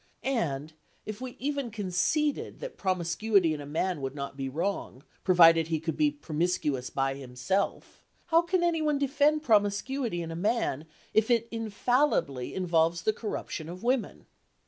And, if we even conceded that promiscuity in a man would not be wrong, provided he could be promiscuous by himself, how can anyone defend promiscuity in a man, if it infallibly involves the corruption of women?